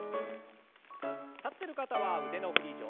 立ってる方は腕の振り